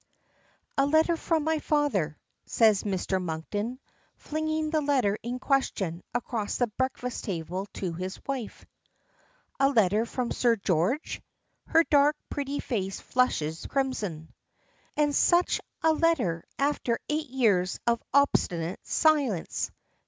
"A letter from my father," says Mr. Monkton, flinging the letter in question across the breakfast table to his wife. "A letter from Sir George!" Her dark, pretty face flushes crimson. "And such a letter after eight years of obstinate silence.